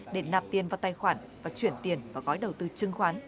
để nạp tiền vào tài khoản và chuyển tiền vào gói đầu tư chứng khoán